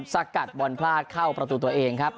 สกัดบอลพลาดเข้าประตูตัวเองครับ